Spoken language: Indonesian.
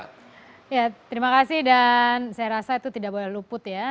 ya terima kasih dan saya rasa itu tidak boleh luput ya